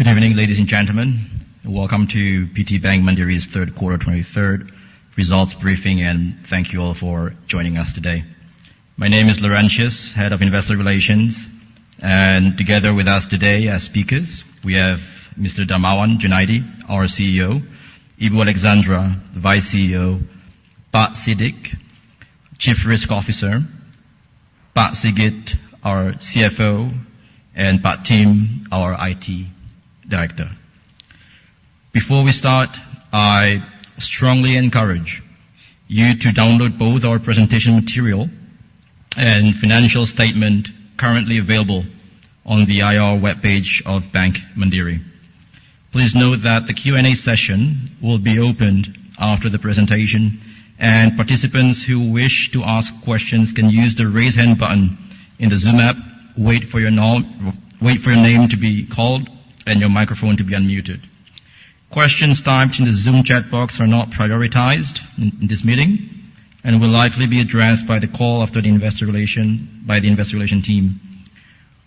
Good evening, ladies and gentlemen. Welcome to PT Bank Mandiri's third quarter 2023 results briefing, and thank you all for joining us today. My name is Laurentius, Head of Investor Relations, and together with us today as speakers, we have Mr. Darmawan Junaidi, our CEO, Ibu Alexandra, the Vice CEO, Pak Siddik, Chief Risk Officer, Pak Sigit, our CFO, and Pak Tim, our IT Director. Before we start, I strongly encourage you to download both our presentation material and financial statement currently available on the IR webpage of Bank Mandiri. Please note that the Q&A session will be opened after the presentation, and participants who wish to ask questions can use the Raise Hand button in the Zoom app, wait for your name to be called and your microphone to be unmuted. Questions typed in the Zoom chat box are not prioritized in this meeting and will likely be addressed after the call by the Investor Relations team.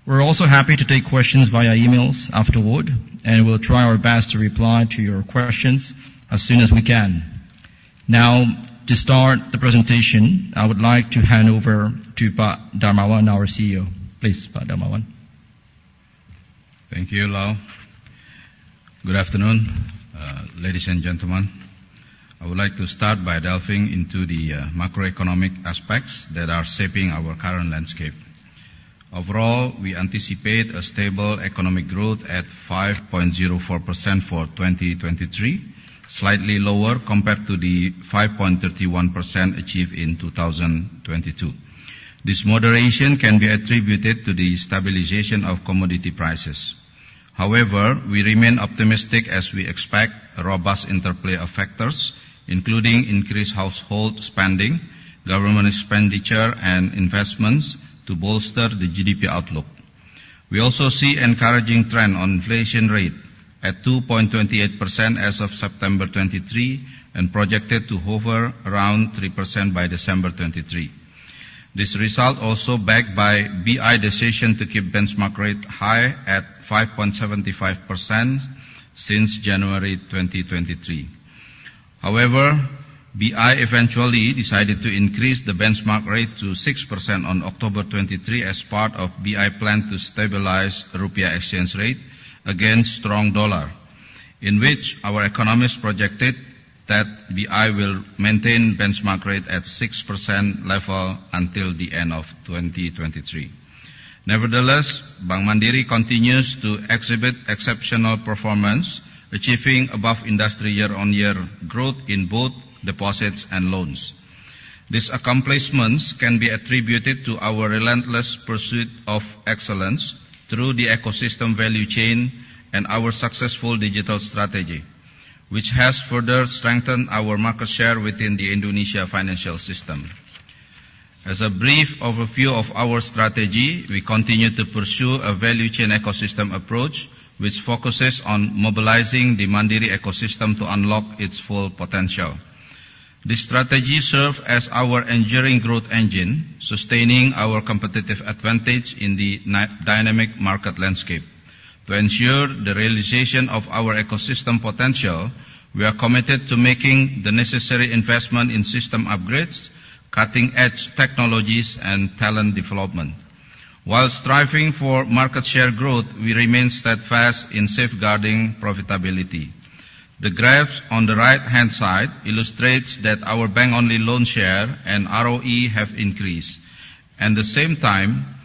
We're also happy to take questions via emails afterward, and we'll try our best to reply to your questions as soon as we can. Now, to start the presentation, I would like to hand over to Pak Darmawan, our CEO. Please, Pak Darmawan. Thank you, Lau. Good afternoon, ladies and gentlemen. I would like to start by delving into the macroeconomic aspects that are shaping our current landscape. Overall, we anticipate a stable economic growth at 5.04% for 2023, slightly lower compared to the 5.31% achieved in 2022. This moderation can be attributed to the stabilization of commodity prices. However, we remain optimistic as we expect a robust interplay of factors, including increased household spending, government expenditure, and investments to bolster the GDP outlook. We also see encouraging trend on inflation rate at 2.28% as of September 2023, and projected to hover around 3% by December 2023. This result also backed by BI decision to keep benchmark rate high at 5.75% since January 2023. However, BI eventually decided to increase the benchmark rate to 6% on October 23 as part of BI plan to stabilize rupiah exchange rate against strong dollar, in which our economists projected that BI will maintain benchmark rate at 6% level until the end of 2023. Nevertheless, Bank Mandiri continues to exhibit exceptional performance, achieving above industry year-on-year growth in both deposits and loans. These accomplishments can be attributed to our relentless pursuit of excellence through the ecosystem value chain and our successful digital strategy, which has further strengthened our market share within the Indonesia financial system. As a brief overview of our strategy, we continue to pursue a value chain ecosystem approach, which focuses on mobilizing the Mandiri ecosystem to unlock its full potential. This strategy serves as our enduring growth engine, sustaining our competitive advantage in the dynamic market landscape. To ensure the realization of our ecosystem potential, we are committed to making the necessary investment in system upgrades, cutting-edge technologies, and talent development. While striving for market share growth, we remain steadfast in safeguarding profitability. The graph on the right-hand side illustrates that our Bank-only loan share and ROE have increased. At the same time,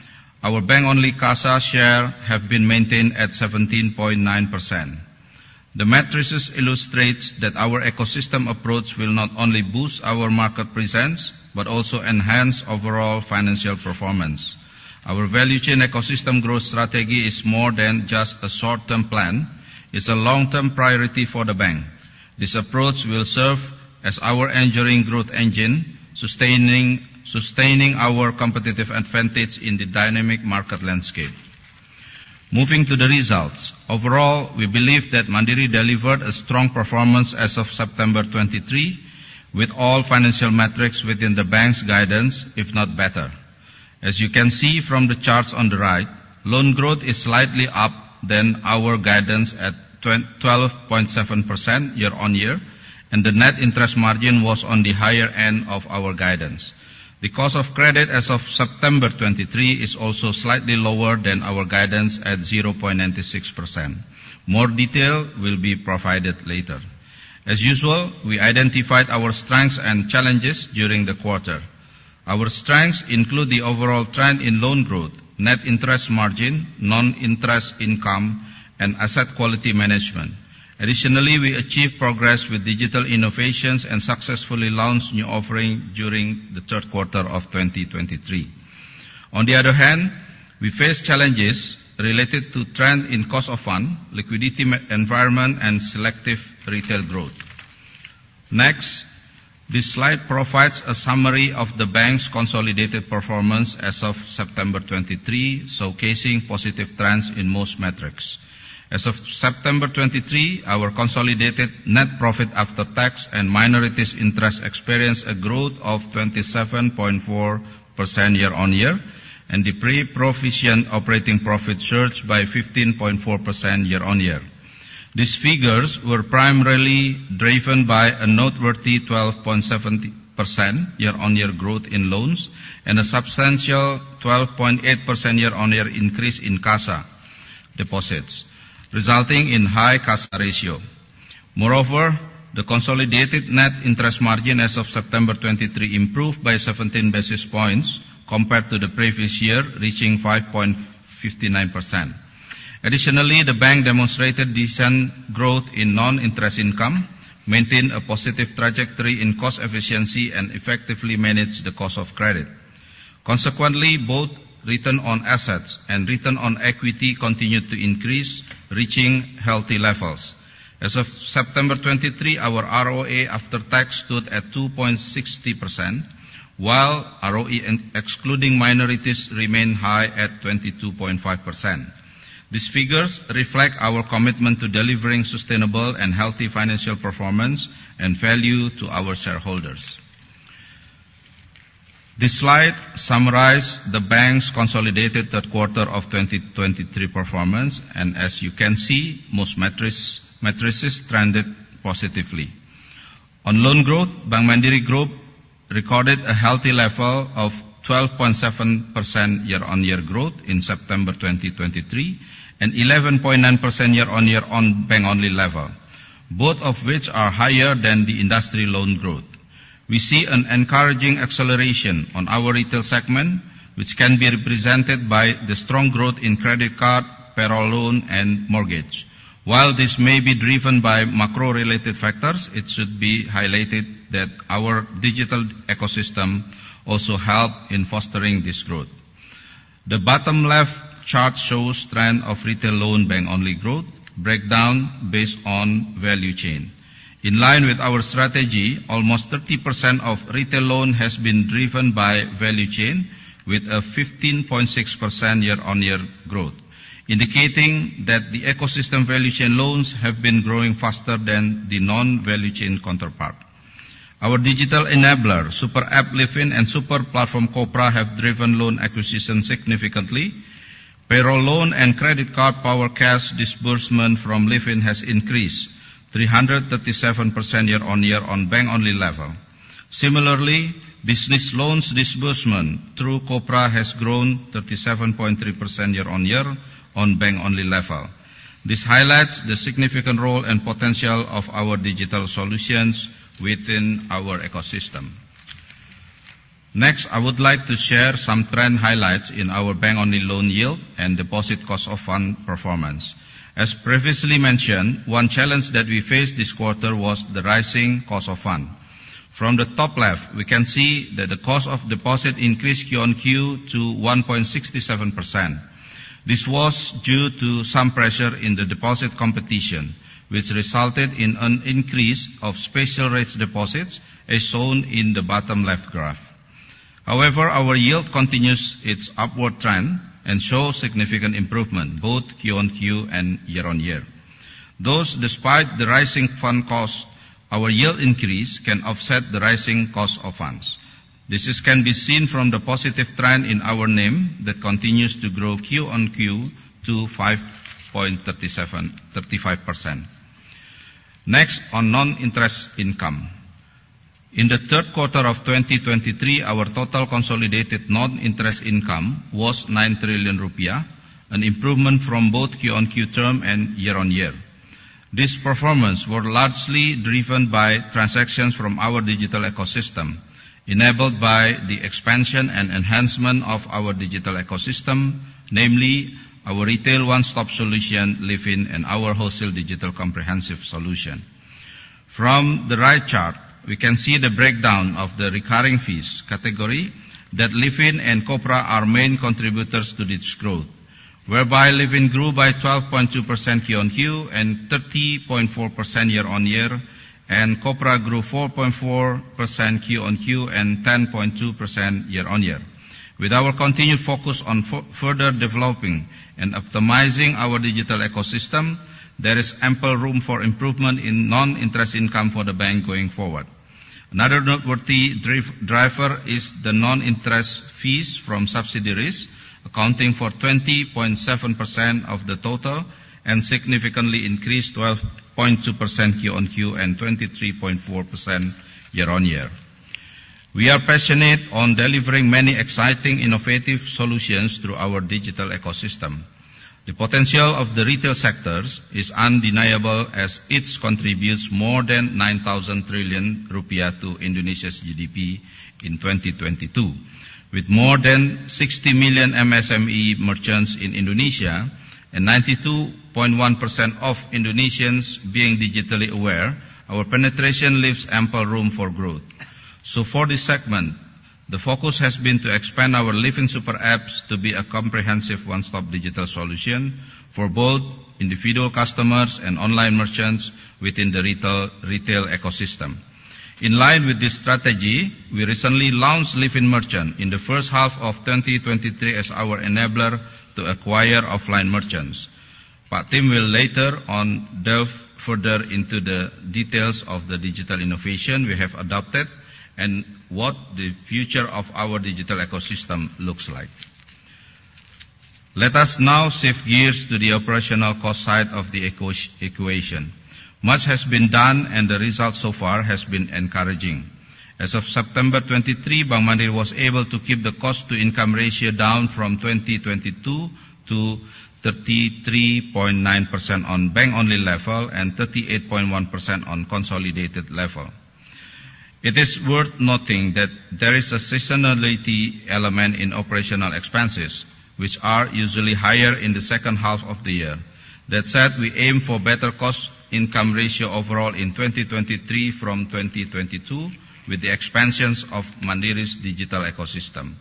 our Bank-only CASA share has been maintained at 17.9%. The matrix illustrates that our ecosystem approach will not only boost our market presence, but also enhance overall financial performance. Our value chain ecosystem growth strategy is more than just a short-term plan, it's a long-term priority for the bank. This approach will serve as our enduring growth engine, sustaining our competitive advantage in the dynamic market landscape. Moving to the results. Overall, we believe that Mandiri delivered a strong performance as of September 2023, with all financial metrics within the bank's guidance, if not better. As you can see from the charts on the right, loan growth is slightly up than our guidance at 12.7% year-on-year, and the net interest margin was on the higher end of our guidance. The cost of credit as of September 2023 is also slightly lower than our guidance at 0.96%. More detail will be provided later. As usual, we identified our strengths and challenges during the quarter. Our strengths include the overall trend in loan growth, net interest margin, non-interest income, and asset quality management. Additionally, we achieved progress with digital innovations and successfully launched new offering during the third quarter of 2023. On the other hand, we face challenges related to trend in cost of fund, liquidity management environment, and selective retail growth. Next, this slide provides a summary of the bank's consolidated performance as of September 2023, showcasing positive trends in most metrics. As of September 2023, our consolidated net profit after tax and minorities' interest experienced a growth of 27.4% year-on-year, and the pre-provision operating profit surged by 15.4% year-on-year. These figures were primarily driven by a noteworthy 12.7% year-on-year growth in loans, and a substantial 12.8% year-on-year increase in CASA deposits, resulting in high CASA ratio. Moreover, the consolidated net interest margin as of September 2023 improved by 17 basis points compared to the previous year, reaching 5.59%. Additionally, the bank demonstrated decent growth in non-interest income, maintained a positive trajectory in cost efficiency, and effectively managed the cost of credit. Consequently, both return on assets and return on equity continued to increase, reaching healthy levels. As of September 2023, our ROA after tax stood at 2.60%, while ROE, including minorities, remained high at 22.5%. These figures reflect our commitment to delivering sustainable and healthy financial performance and value to our shareholders. This slide summarizes the bank's consolidated third quarter of 2023 performance, and as you can see, most metrics, matrices trended positively. On loan growth, Bank Mandiri Group recorded a healthy level of 12.7% year-on-year growth in September 2023, and 11.9% year-on-year on bank-only level, both of which are higher than the industry loan growth. We see an encouraging acceleration on our retail segment, which can be represented by the strong growth in credit card, payroll loan, and mortgage. While this may be driven by macro-related factors, it should be highlighted that our digital ecosystem also helped in fostering this growth. The bottom left chart shows trend of retail loan bank-only growth breakdown based on value chain. In line with our strategy, almost 30% of retail loan has been driven by value chain, with a 15.6% year-on-year growth, indicating that the ecosystem value chain loans have been growing faster than the non-value chain counterpart. Our digital enabler, Super App Livin' and Super Platform Kopra, have driven loan acquisition significantly. Payroll loan and credit card Power Cash disbursement from Livin' has increased 337% year-on-year on bank-only level. Similarly, business loans disbursement through Kopra has grown 37.3% year-on-year on bank-only level. This highlights the significant role and potential of our digital solutions within our ecosystem. Next, I would like to share some trend highlights in our bank-only loan yield and deposit cost of fund performance. As previously mentioned, one challenge that we faced this quarter was the rising cost of fund. From the top left, we can see that the cost of deposit increased Q-on-Q to 1.67%. This was due to some pressure in the deposit competition, which resulted in an increase of special rate deposits, as shown in the bottom left graph. However, our yield continues its upward trend and shows significant improvement, both Q-on-Q and year-on-year. Thus, despite the rising fund cost, our yield increase can offset the rising cost of funds. This can be seen from the positive trend in our NIM that continues to grow Q-on-Q to 5.35%. Next, on non-interest income. In the third quarter of 2023, our total consolidated non-interest income was 9 trillion rupiah, an improvement from both Q-on-Q and year-on-year. This performance was largely driven by transactions from our digital ecosystem, enabled by the expansion and enhancement of our digital ecosystem, namely our retail one-stop solution, Livin, and our wholesale digital comprehensive solution. From the right chart, we can see the breakdown of the recurring fees category, that Livin and Kopra are main contributors to this growth, whereby Livin grew by 12.2% Q-on-Q and 30.4% year-on-year, and Kopra grew 4.4% Q-on-Q and 10.2% year-on-year. With our continued focus on further developing and optimizing our digital ecosystem, there is ample room for improvement in non-interest income for the bank going forward. Another noteworthy driver is the non-interest fees from subsidiaries, accounting for 20.7% of the total, and significantly increased 12.2% Q-on-Q and 23.4% year-on-year. We are passionate on delivering many exciting, innovative solutions through our digital ecosystem. The potential of the retail sectors is undeniable, as it contributes more than 9,000 trillion rupiah to Indonesia's GDP in 2022. With more than 60 million MSME merchants in Indonesia and 92.1% of Indonesians being digitally aware, our penetration leaves ample room for growth. So for this segment, the focus has been to expand our Livin Super Apps to be a comprehensive one-stop digital solution for both individual customers and online merchants within the retail, retail ecosystem. In line with this strategy, we recently launched Livin Merchant in the first half of 2023 as our enabler to acquire offline merchants. Pak Tim will later on delve further into the details of the digital innovation we have adopted and what the future of our digital ecosystem looks like.... Let us now shift gears to the operational cost side of the equation. Much has been done, and the results so far has been encouraging. As of September 2023, Bank Mandiri was able to keep the cost-to-income ratio down from 2022 to 33.9% on bank-only level and 38.1% on consolidated level. It is worth noting that there is a seasonality element in operational expenses, which are usually higher in the second half of the year. That said, we aim for better cost-income ratio overall in 2023 from 2022, with the expansions of Mandiri's digital ecosystem.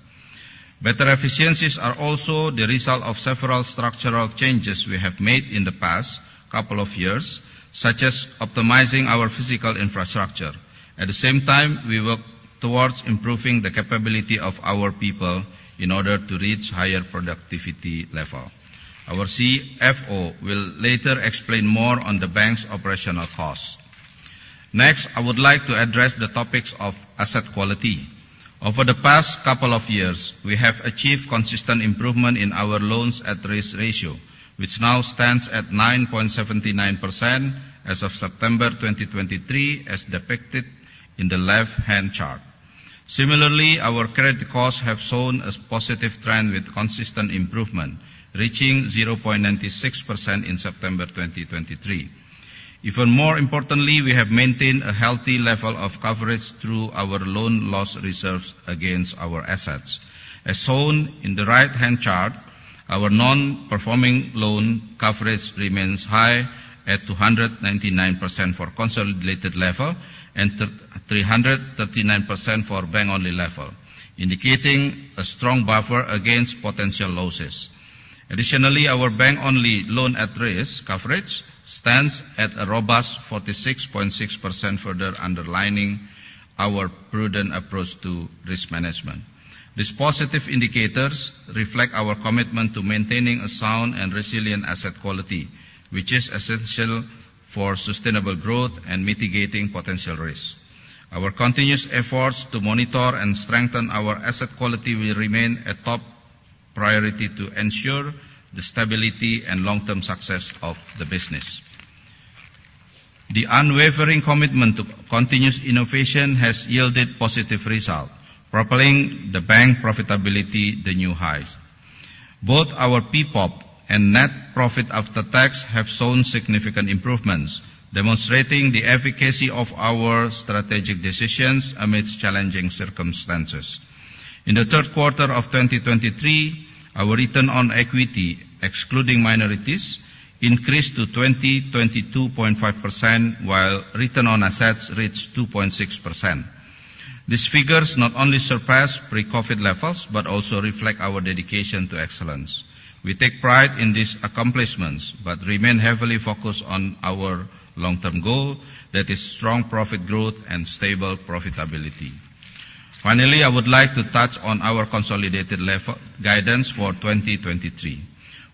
Better efficiencies are also the result of several structural changes we have made in the past couple of years, such as optimizing our physical infrastructure. At the same time, we work towards improving the capability of our people in order to reach higher productivity level. Our CFO will later explain more on the bank's operational costs. Next, I would like to address the topics of asset quality. Over the past couple of years, we have achieved consistent improvement in our loans-at-risk ratio, which now stands at 9.79% as of September 2023, as depicted in the left-hand chart. Similarly, our credit costs have shown a positive trend with consistent improvement, reaching 0.96% in September 2023. Even more importantly, we have maintained a healthy level of coverage through our loan loss reserves against our assets. As shown in the right-hand chart, our non-performing loan coverage remains high at 299% for consolidated level and 339% for bank-only level, indicating a strong buffer against potential losses. Additionally, our bank-only loan at-risk coverage stands at a robust 46.6%, further underlining our prudent approach to risk management. These positive indicators reflect our commitment to maintaining a sound and resilient asset quality, which is essential for sustainable growth and mitigating potential risks. Our continuous efforts to monitor and strengthen our asset quality will remain a top priority to ensure the stability and long-term success of the business. The unwavering commitment to continuous innovation has yielded positive results, propelling the bank profitability to new highs. Both our PPOP and net profit after tax have shown significant improvements, demonstrating the efficacy of our strategic decisions amidst challenging circumstances. In the third quarter of 2023, our return on equity, excluding minorities, increased to 22.5%, while return on assets reached 2.6%. These figures not only surpass pre-COVID levels, but also reflect our dedication to excellence. We take pride in these accomplishments, but remain heavily focused on our long-term goal, that is strong profit growth and stable profitability. Finally, I would like to touch on our consolidated level guidance for 2023.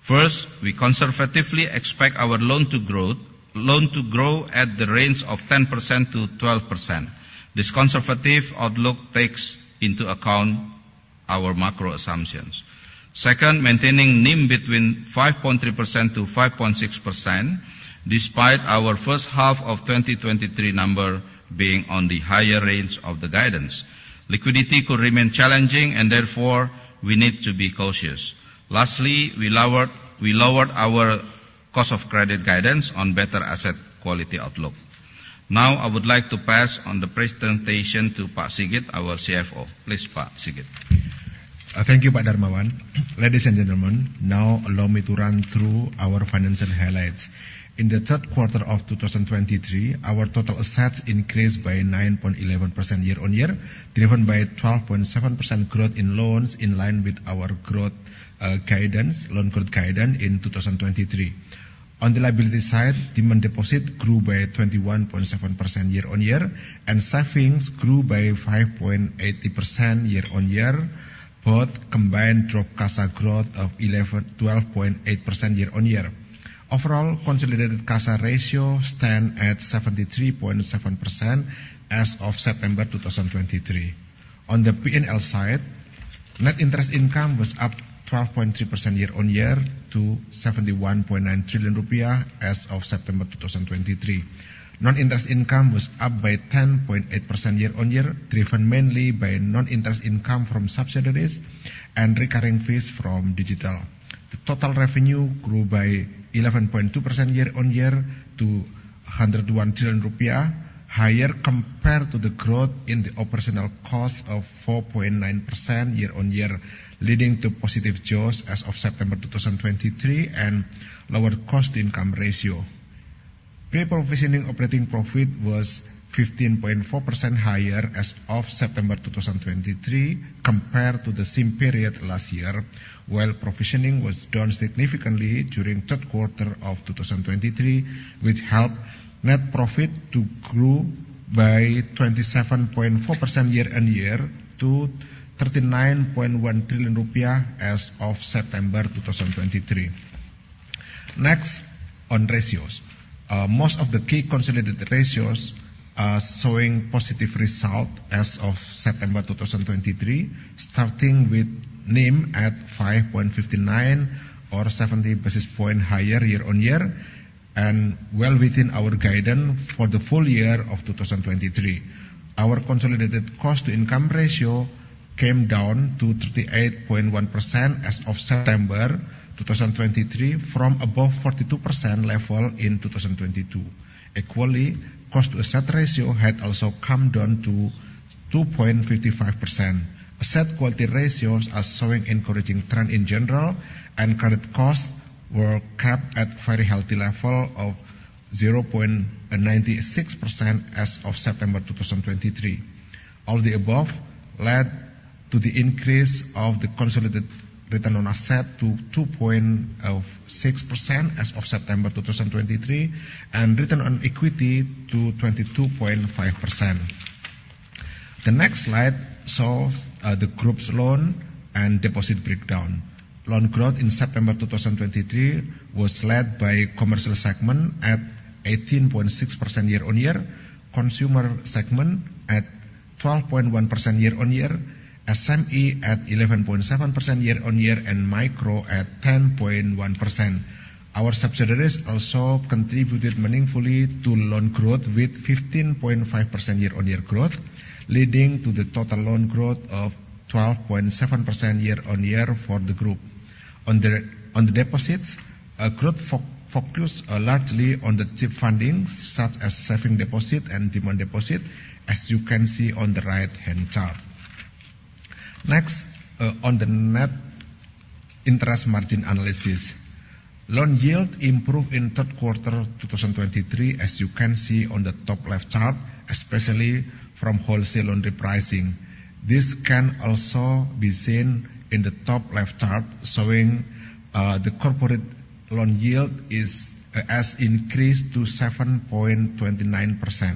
First, we conservatively expect our loan to growth, loan to grow at the range of 10%-12%. This conservative outlook takes into account our macro assumptions. Second, maintaining NIM between 5.3%-5.6%, despite our first half of 2023 number being on the higher range of the guidance. Liquidity could remain challenging, and therefore we need to be cautious. Lastly, we lowered, we lowered our cost of credit guidance on better asset quality outlook. Now, I would like to pass on the presentation to Pak Sigit, our CFO. Please, Pak Sigit. Thank you, Pak Darmawan. Ladies and gentlemen, now allow me to run through our financial highlights. In the third quarter of 2023, our total assets increased by 9.11% year-over-year, driven by a 12.7% growth in loans, in line with our growth guidance, loan growth guidance in 2023. On the liability side, demand deposit grew by 21.7% year-over-year, and savings grew by 5.80% year-over-year. Both combined drove CASA growth of 12.8% year-over-year. Overall, consolidated CASA ratio stand at 73.7% as of September 2023. On the P&L side, net interest income was up 12.3% year-over-year to 71.9 trillion rupiah as of September 2023. Non-interest income was up by 10.8% year-on-year, driven mainly by non-interest income from subsidiaries and recurring fees from digital. The total revenue grew by 11.2% year-on-year to 101 trillion rupiah, higher compared to the growth in the operational cost of 4.9% year-on-year, leading to positive jaws as of September 2023, and lower cost-to-income ratio. Pre-provision operating profit was 15.4% higher as of September 2023, compared to the same period last year. While provisioning was down significantly during third quarter of 2023, which helped net profit to grow by 27.4% year-on-year to 39.1 trillion rupiah as of September 2023.... Next, on ratios. Most of the key consolidated ratios are showing positive result as of September 2023, starting with NIM at 5.59 or 70 basis points higher year-on-year, and well within our guidance for the full year of 2023. Our consolidated cost-to-income ratio came down to 38.1% as of September 2023, from above 42% level in 2022. Equally, cost-to-asset ratio had also come down to 2.55%. Asset quality ratios are showing encouraging trend in general, and credit costs were kept at very healthy level of 0.96% as of September 2023. All the above led to the increase of the consolidated return on asset to 2.6% as of September 2023, and return on equity to 22.5%. The next slide shows the group's loan and deposit breakdown. Loan growth in September 2023 was led by commercial segment at 18.6% year-on-year, consumer segment at 12.1% year-on-year, SME at 11.7% year-on-year, and micro at 10.1%. Our subsidiaries also contributed meaningfully to loan growth, with 15.5% year-on-year growth, leading to the total loan growth of 12.7% year-on-year for the group. On the deposits, a growth focused largely on the cheap funding, such as saving deposit and demand deposit, as you can see on the right-hand chart. Next, on the net interest margin analysis. Loan yield improved in third quarter 2023, as you can see on the top left chart, especially from wholesale loan repricing. This can also be seen in the top left chart, showing the corporate loan yield has increased to 7.29%.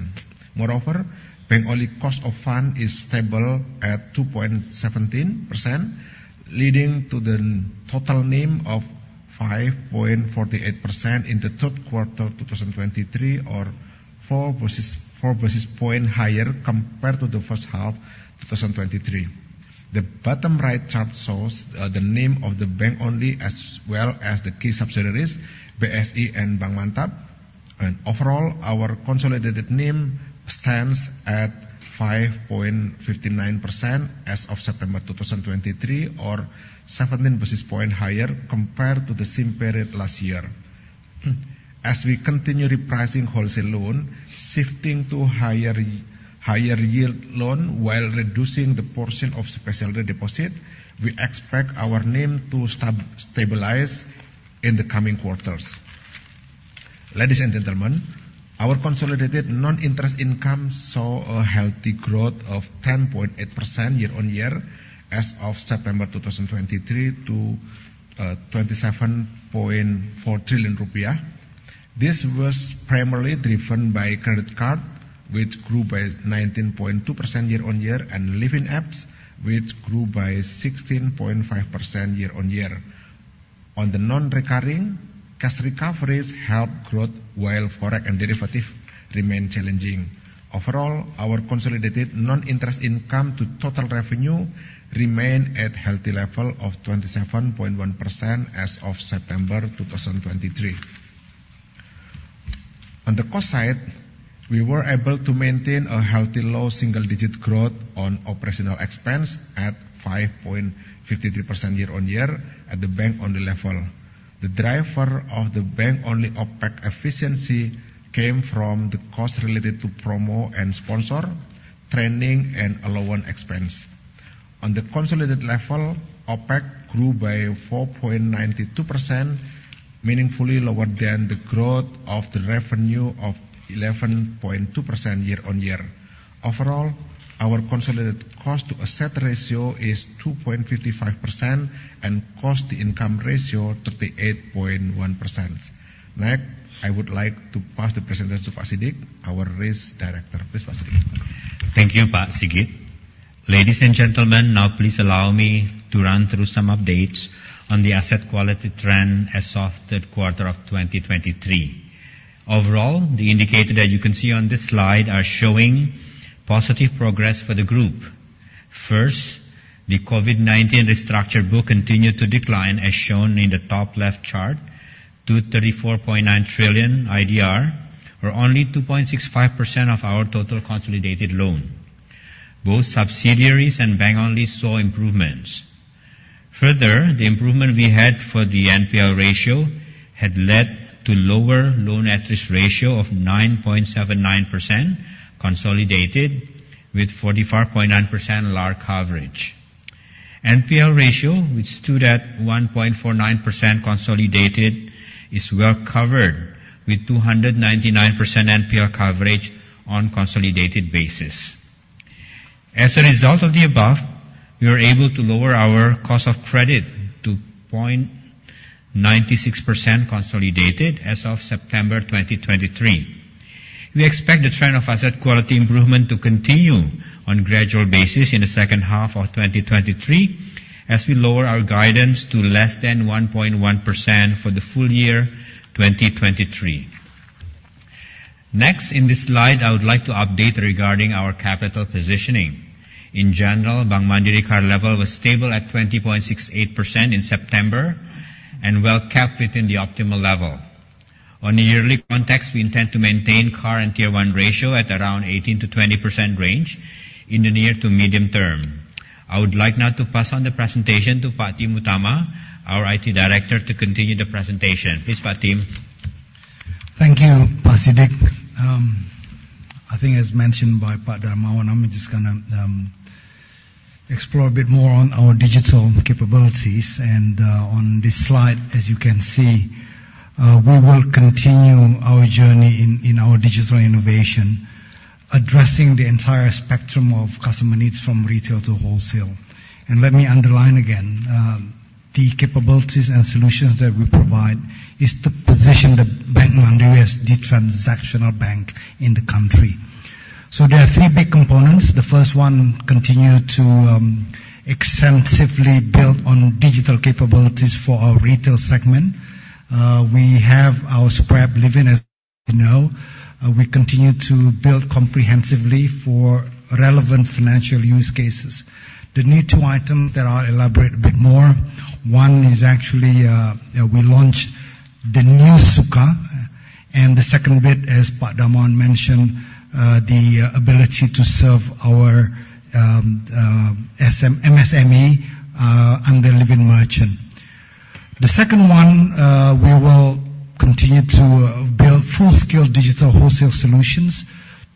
Moreover, Bank Only cost of fund is stable at 2.17%, leading to the total NIM of 5.48% in the third quarter 2023, or four basis, four basis point higher compared to the first half 2023. The bottom right chart shows the NIM of the Bank Only, as well as the key subsidiaries, BSI and Bank Mantap. Overall, our consolidated NIM stands at 5.59% as of September 2023, or seventeen basis point higher compared to the same period last year. As we continue repricing wholesale loan, shifting to higher yield loan while reducing the portion of specialty deposit, we expect our NIM to stabilize in the coming quarters. Ladies and gentlemen, our consolidated non-interest income saw a healthy growth of 10.8% year-on-year as of September 2023 to 27.4 trillion rupiah. This was primarily driven by credit card, which grew by 19.2% year-on-year, and Livin' App, which grew by 16.5% year-on-year. On the non-recurring, cash recoveries helped growth, while forex and derivative remain challenging. Overall, our consolidated non-interest income to total revenue remained at healthy level of 27.1% as of September 2023. On the cost side, we were able to maintain a healthy, low, single-digit growth on operational expense at 5.52% year-on-year at the Bank Only level. The driver of the Bank Only OpEx efficiency came from the cost related to promo and sponsor, training, and allowance expense. On the consolidated level, OpEx grew by 4.92%, meaningfully lower than the growth of the revenue of 11.2% year-on-year. Overall, our consolidated cost-to-asset ratio is 2.55%, and cost-to-income ratio, 38.1%. Next, I would like to pass the presentation to Pak Sidik, our risk director. Please, Pak Sidik. Thank you, Pak Sigit. Ladies and gentlemen, now please allow me to run through some updates on the asset quality trend as of third quarter of 2023. Overall, the indicator that you can see on this slide are showing positive progress for the group. First, the COVID-19 restructure book continued to decline, as shown in the top left chart, to 34.9 trillion IDR, or only 2.65% of our total consolidated loan. Both subsidiaries and Bank Only saw improvements. Further, the improvement we had for the NPL ratio had led to lower loan at-risk ratio of 9.79% consolidated, with 44.9% LAR coverage. NPL ratio, which stood at 1.49% consolidated, is well covered, with 299% NPL coverage on consolidated basis. As a result of the above, we were able to lower our cost of credit to 0.96% consolidated as of September 2023. We expect the trend of asset quality improvement to continue on gradual basis in the second half of 2023, as we lower our guidance to less than 1.1% for the full year 2023. Next, in this slide, I would like to update regarding our capital positioning. In general, Bank Mandiri CAR level was stable at 20.68% in September, and well-kept within the optimal level. On a yearly context, we intend to maintain CAR and Tier-1 ratio at around 18%-20% range in the near to medium term. I would like now to pass on the presentation to Pak Tim Utama, our IT Director, to continue the presentation. Please, Pak Tim. Thank you, Pak Sidik. I think as mentioned by Pak Darmawan, I'm just gonna explore a bit more on our digital capabilities. On this slide, as you can see, we will continue our journey in our digital innovation, addressing the entire spectrum of customer needs, from retail to wholesale. Let me underline again, the capabilities and solutions that we provide is to position the Bank Mandiri as the transactional bank in the country. So there are three big components. The first one, continue to extensively build on digital capabilities for our retail segment. We have our super app, Livin', as you know. We continue to build comprehensively for relevant financial use cases. The new two items that I'll elaborate a bit more, one is actually we launched the new Sukha. The second bit, as Pak Darmawan mentioned, the ability to serve our MSME under Livin' Merchant. The second one, we will continue to build full-scale digital wholesale solutions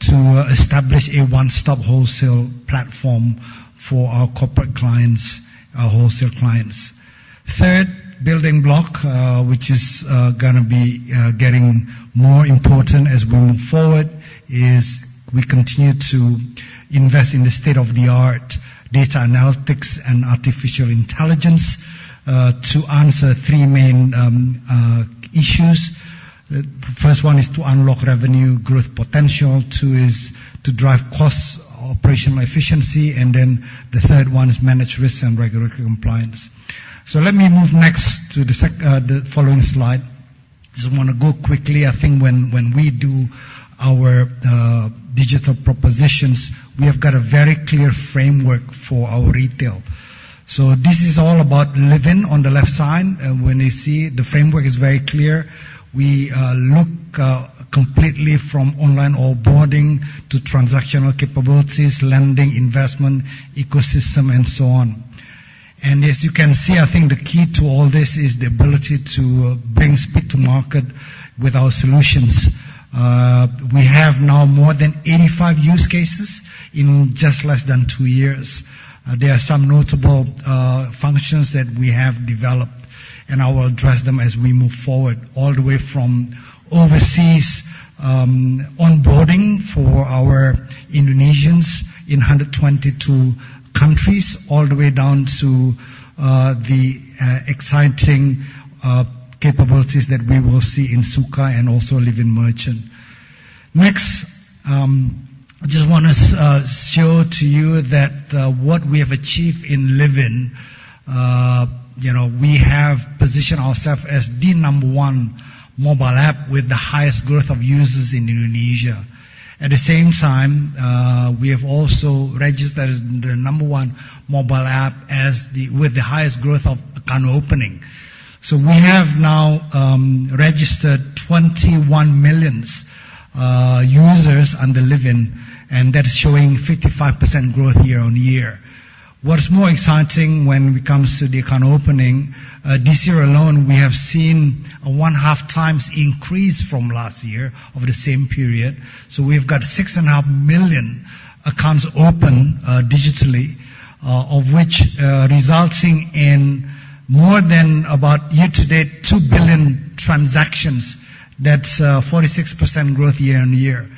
to establish a one-stop wholesale platform for our corporate clients, our wholesale clients. Third building block, which is gonna be getting more important as we move forward, is we continue to invest in the state-of-the-art data analytics and artificial intelligence to answer three main issues. First one is to unlock revenue growth potential. Two is to drive costs, operational efficiency. And then the third one is manage risk and regulatory compliance. So let me move next to the following slide. Just wanna go quickly. I think when we do our digital propositions, we have got a very clear framework for our retail. This is all about Livin on the left side. When you see, the framework is very clear. We look completely from online onboarding to transactional capabilities, lending, investment, ecosystem, and so on. As you can see, I think the key to all this is the ability to bring speed to market with our solutions. We have now more than 85 use cases in just less than two years. There are some notable functions that we have developed, and I will address them as we move forward, all the way from overseas onboarding for our Indonesians in 122 countries, all the way down to the exciting capabilities that we will see in Sukha and also Livin Merchant. Next, I just wanna show to you that, you know, what we have achieved in Livin'. You know, we have positioned ourself as the number one mobile app with the highest growth of users in Indonesia. At the same time, we have also registered as the number one mobile app with the highest growth of account opening. We have now registered 21 million users on Livin', and that is showing 55% growth year-over-year. What is more exciting when it comes to the account opening, this year alone, we have seen a 1.5 times increase from last year over the same period. We've got 6.5 million accounts open digitally, of which, resulting in more than about, year to date, 2 billion transactions. That's 46% growth year-on-year.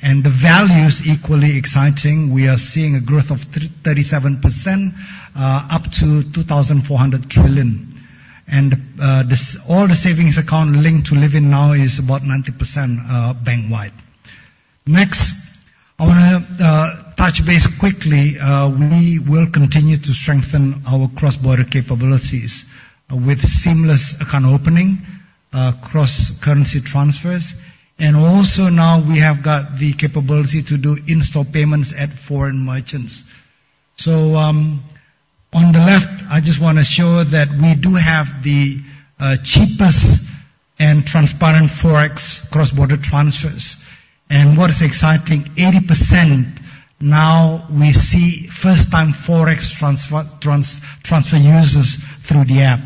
And the value is equally exciting. We are seeing a growth of thirty-seven percent, up to 2,400 trillion. And all the savings account linked to Livin now is about 90%, bank-wide. Next, I wanna touch base quickly. We will continue to strengthen our cross-border capabilities with seamless account opening, cross-currency transfers, and also now we have got the capability to do in-store payments at foreign merchants. So, on the left, I just wanna show that we do have the cheapest and transparent Forex cross-border transfers. And what is exciting, 80% now we see first-time Forex transfer users through the app.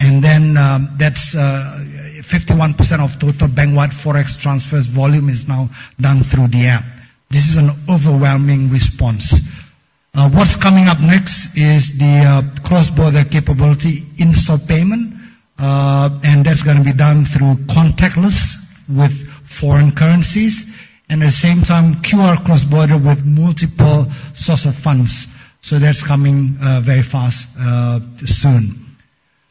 And then, that's 51% of total bank-wide Forex transfers volume is now done through the app. This is an overwhelming response. What's coming up next is the cross-border capability in-store payment. And that's gonna be done through contactless with foreign currencies, and at the same time, QR cross-border with multiple source of funds. So that's coming very fast soon.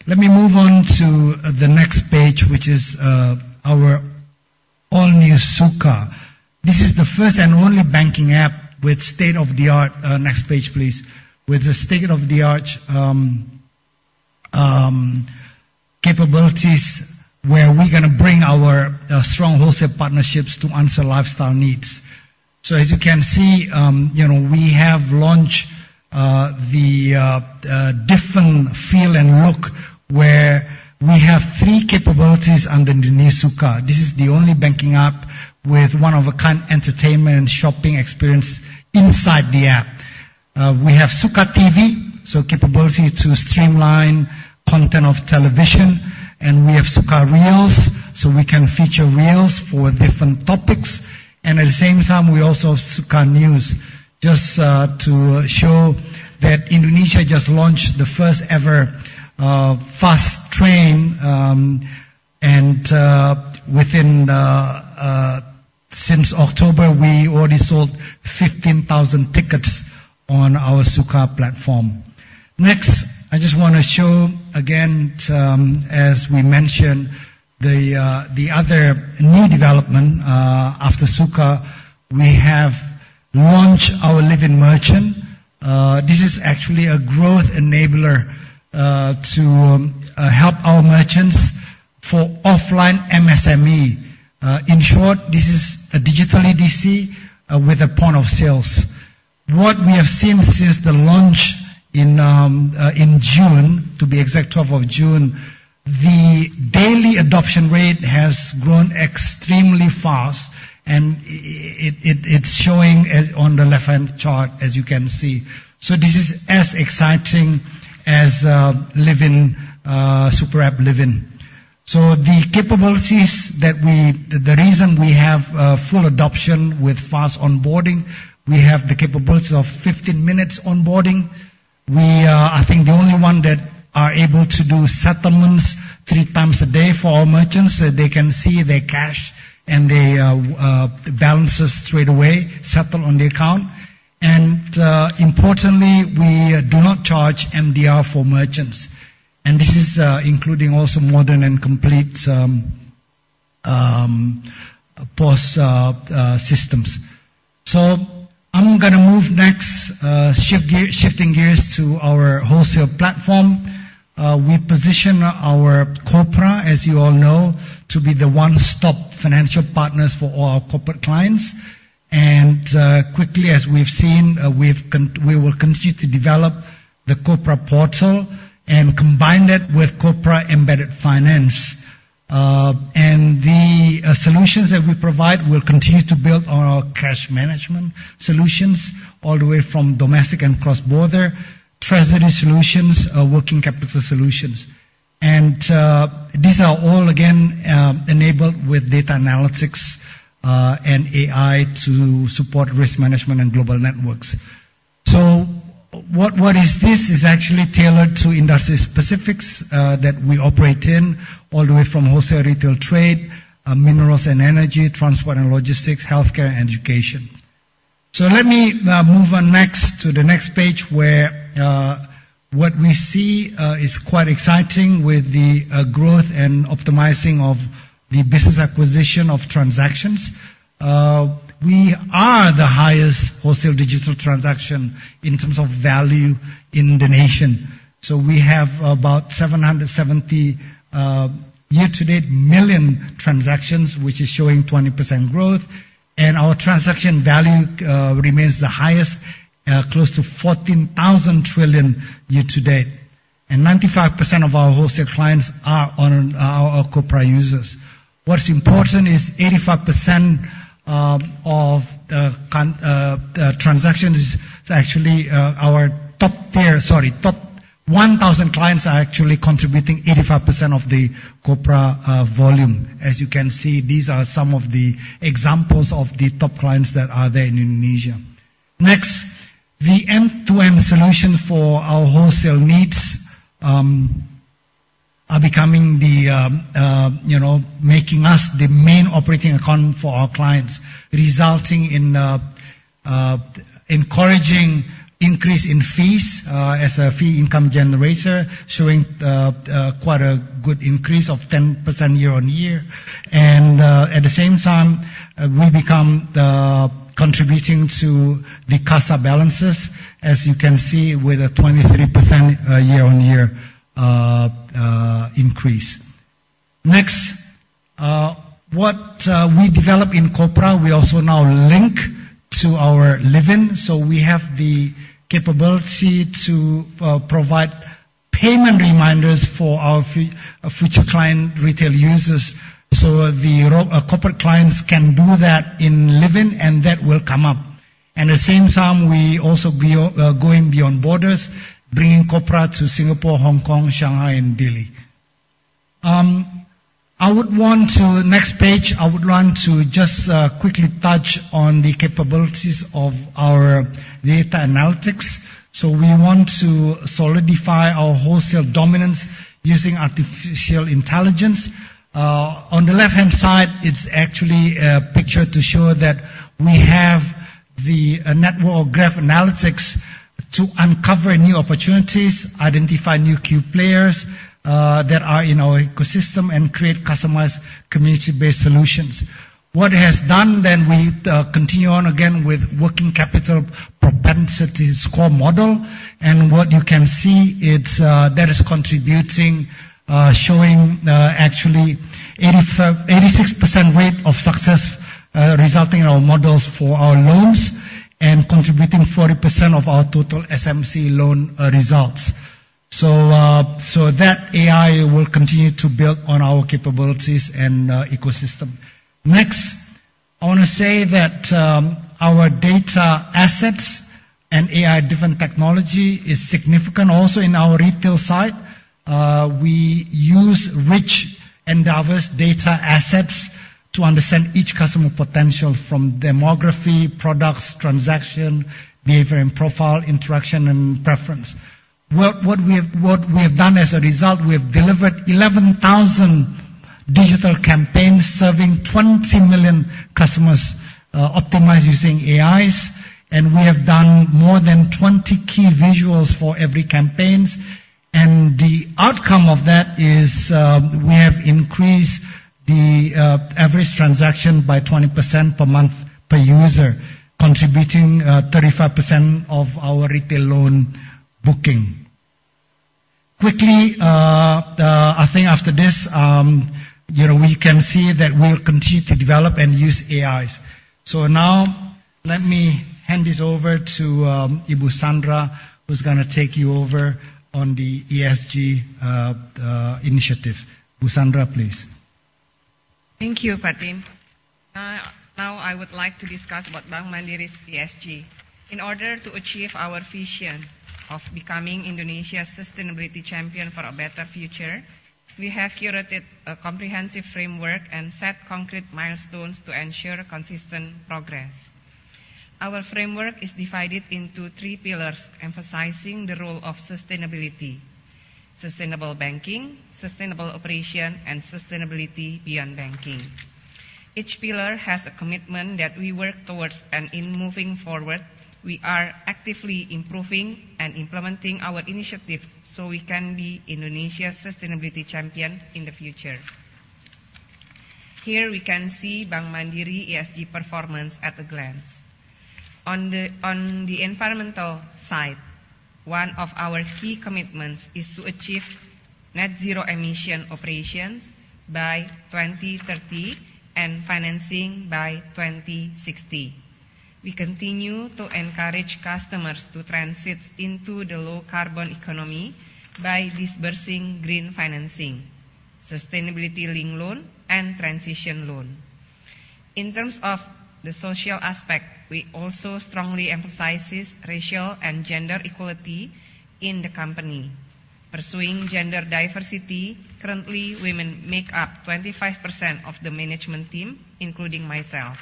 Let me move on to the next page, which is our all-new Sukha. This is the first and only banking app with state-of-the-art next page, please. With the state-of-the-art capabilities, where we're gonna bring our strong wholesale partnerships to answer lifestyle needs. So as you can see, you know, we have launched the different feel and look, where we have three capabilities under the new Sukha. This is the only banking app with one-of-a-kind entertainment and shopping experience inside the app. We have Sukha TV, so capability to streamline content of television, and we have Sukha Reels, so we can feature reels for different topics, and at the same time, we also have Sukha News. Just to show that Indonesia just launched the first-ever fast train, and since October, we already sold 15,000 tickets on our Sukha platform. Next, I just wanna show, again, to, as we mentioned, the other new development after Sukha. We have launched our Livin' Merchant. This is actually a growth enabler to help our merchants for offline MSME. In short, this is a digital ADC with a point of sales. What we have seen since the launch in, in June, to be exact, twelfth of June, the daily adoption rate has grown extremely fast, and it, it's showing as on the left-hand chart, as you can see. So this is as exciting as, Livin' super app, Livin'. So the capabilities that we-- the, the reason we have, full adoption with fast onboarding, we have the capability of 15 minutes onboarding. We are, I think, the only one that are able to do settlements three times a day for our merchants, so they can see their cash and the, balances straight away, settle on the account. And, importantly, we do not charge MDR for merchants, and this is, including also modern and complete, POS systems. So I'm gonna move next, shift gear, shifting gears to our wholesale platform. We position our Kopra, as you all know, to be the one-stop financial partners for all our corporate clients. And, quickly, as we've seen, we will continue to develop the Kopra portal and combine it with Kopra Embedded Finance. And, the solutions that we provide will continue to build on our cash management solutions, all the way from domestic and cross-border treasury solutions, working capital solutions. And, these are all again, enabled with data analytics, and AI to support risk management and global networks. So what is this? It's actually tailored to industry specifics, that we operate in, all the way from wholesale, retail, trade, minerals and energy, transport and logistics, healthcare, and education. Let me move on next to the next page, where what we see is quite exciting with the growth and optimizing of the business acquisition of transactions. We are the highest wholesale digital transaction in terms of value in the nation. We have about 770 million year-to-date transactions, which is showing 20% growth, and our transaction value remains the highest, close to 14,000 trillion year-to-date. Ninety-five percent of our wholesale clients are Kopra users. What's important is 85% of transactions is actually our top tier—sorry, top 1,000 clients are actually contributing 85% of the Kopra volume. As you can see, these are some of the examples of the top clients that are there in Indonesia. Next, the end-to-end solution for our wholesale needs are becoming the, you know, making us the main operating account for our clients, resulting in a encouraging increase in fees as a fee income generator, showing quite a good increase of 10% year-on-year. And at the same time, we become contributing to the CASA balances, as you can see, with a 23% year-on-year increase. Next, what we develop in Kopra, we also now link to our Livin, so we have the capability to provide payment reminders for our future client, retail users, so the corporate clients can do that in Livin, and that will come up. At the same time, we also be going beyond borders, bringing Kopra to Singapore, Hong Kong, Shanghai, and Delhi. I would want to, next page, I would want to just quickly touch on the capabilities of our data analytics. So we want to solidify our wholesale dominance using artificial intelligence. On the left-hand side, it's actually a picture to show that we have the network graph analytics to uncover new opportunities, identify new key players that are in our ecosystem, and create customized community-based solutions. What it has done, then we continue on again with working capital propensity score model, and what you can see, it's that is contributing, showing actually 85%-86% rate of success, resulting in our models for our loans and contributing 40% of our total SME loan results. So, so that AI will continue to build on our capabilities and ecosystem. Next, I want to say that our data assets and AI-driven technology is significant also in our retail side. We use rich and diverse data assets to understand each customer potential from demography, products, transaction, behavior and profile, interaction, and preference. What we have done as a result, we have delivered 11,000 digital campaigns serving 20 million customers, optimized using AIs, and we have done more than 20 key visuals for every campaigns. The outcome of that is, we have increased the average transaction by 20% per month per user, contributing 35% of our retail loan booking. Quickly, I think after this, you know, we can see that we'll continue to develop and use AIs. So now, let me hand this over to Ibu Sandra, who's going to take you over on the ESG initiative. Ibu Sandra, please. Thank you, Pak Tim. Now I would like to discuss what Bank Mandiri's ESG. In order to achieve our vision of becoming Indonesia's sustainability champion for a better future, we have curated a comprehensive framework and set concrete milestones to ensure consistent progress. Our framework is divided into three pillars, emphasizing the role of sustainability: sustainable banking, sustainable operation, and sustainability beyond banking. Each pillar has a commitment that we work towards, and in moving forward, we are actively improving and implementing our initiatives so we can be Indonesia's sustainability champion in the future. Here we can see Bank Mandiri ESG performance at a glance. On the environmental side, one of our key commitments is to achieve net zero emission operations by 2030, and financing by 2060. We continue to encourage customers to transit into the low-carbon economy by disbursing green financing, sustainability-linked loan, and transition loan. In terms of the social aspect, we also strongly emphasizes racial and gender equality in the company. Pursuing gender diversity, currently, women make up 25% of the management team, including myself,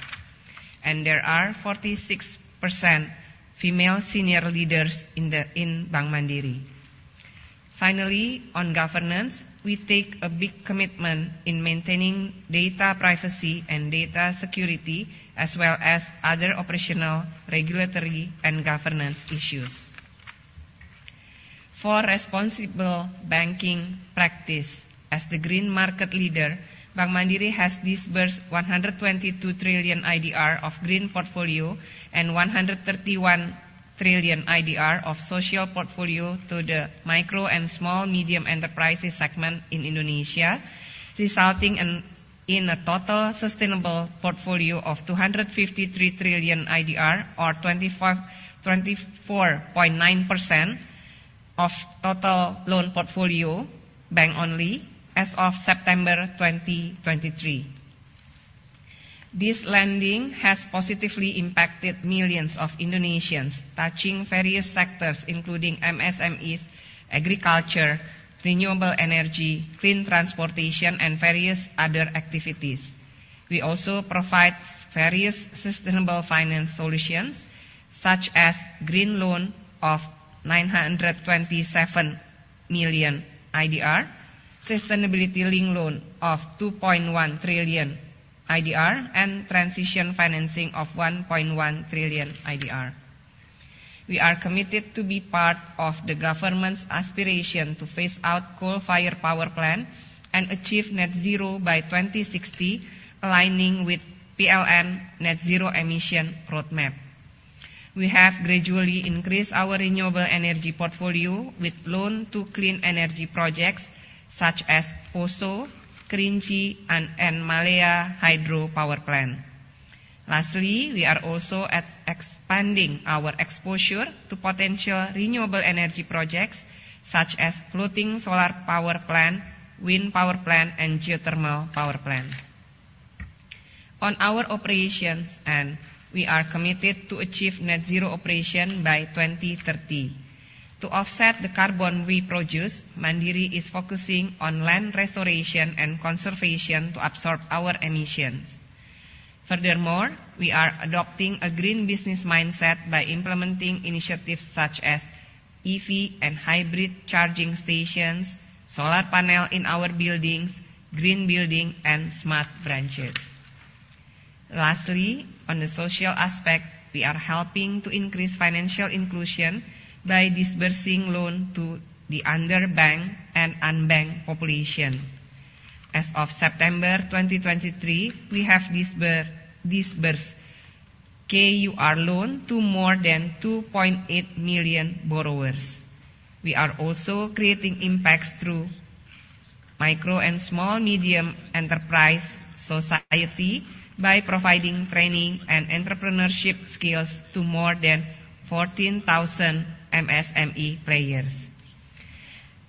and there are 46% female senior leaders in Bank Mandiri. Finally, on governance, we take a big commitment in maintaining data privacy and data security, as well as other operational, regulatory, and governance issues. For responsible banking practice, as the green market leader, Bank Mandiri has disbursed 122 trillion IDR of green portfolio and 131 trillion IDR of social portfolio to the micro and small medium enterprises segment in Indonesia, resulting in a total sustainable portfolio of 253 trillion IDR, or 25, 24.9% of total loan portfolio, bank only, as of September 2023. This lending has positively impacted millions of Indonesians, touching various sectors, including MSMEs, agriculture, renewable energy, clean transportation, and various other activities. We also provide various sustainable finance solutions, such as green loan of 927 million IDR, sustainability-linked loan of 2.1 trillion IDR, and transition financing of 1.1 trillion IDR. We are committed to be part of the government's aspiration to phase out coal-fired power plant and achieve net zero by 2060, aligning with PLN net zero emission roadmap. We have gradually increased our renewable energy portfolio with loan to clean energy projects such as Poso, Kerinci, and Malea Hydro Power Plant. Lastly, we are also expanding our exposure to potential renewable energy projects, such as floating solar power plant, wind power plant, and geothermal power plant. On our operations end, we are committed to achieve net zero operation by 2030. To offset the carbon we produce, Mandiri is focusing on land restoration and conservation to absorb our emissions. Furthermore, we are adopting a green business mindset by implementing initiatives such as EV and hybrid charging stations, solar panel in our buildings, green building, and smart branches. Lastly, on the social aspect, we are helping to increase financial inclusion by disbursing loan to the underbanked and unbanked population. As of September 2023, we have disbursed KUR loan to more than 2.8 million borrowers. We are also creating impacts through micro and small medium enterprise society, by providing training and entrepreneurship skills to more than 14,000 MSME players.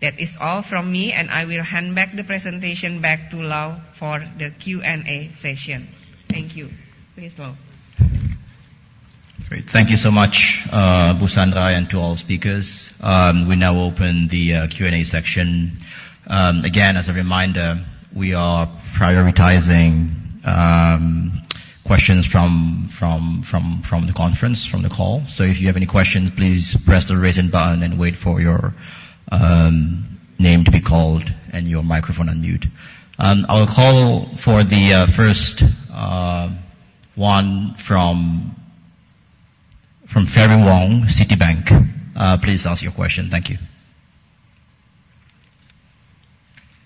That is all from me, and I will hand back the presentation back to Lau for the Q&A session. Thank you. Please, Lau. Great. Thank you so much, Ibu Sandra, and to all speakers. We now open the Q&A section. Again, as a reminder, we are prioritizing questions from the conference, from the call. So if you have any questions, please press the Raise Hand button and wait for your name to be called, and your microphone unmute. I will call for the first one from Ferry Wong, Citibank. Please ask your question. Thank you.